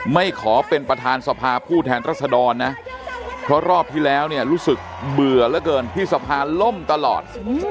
ไม่ขอเป็นประธานสภาผู้แทนรัศดรนะเพราะรอบที่แล้วเนี่ยรู้สึกเบื่อเหลือเกินที่สะพานล่มตลอด